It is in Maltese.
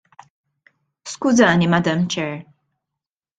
Skużani, Madam Chair.